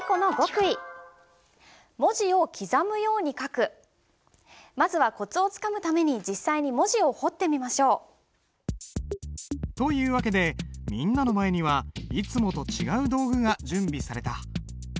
ここでまずはコツをつかむために実際に文字を彫ってみましょう。という訳でみんなの前にはいつもと違う道具が準備された。